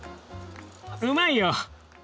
うまいよ。